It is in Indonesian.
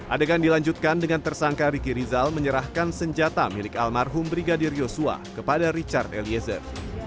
adegan dilanjutkan dengan tersangka riki rizal menyerahkan senjata milik almarhum brigadir yosua kepada richard eliezer